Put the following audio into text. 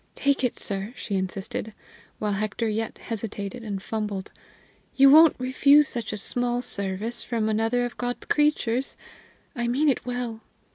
Take it, sir," she insisted, while Hector yet hesitated and fumbled; "you won't refuse such a small service from another of God's creatures! I mean it well."